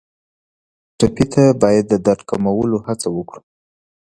ټپي ته باید د درد کمولو هڅه وکړو.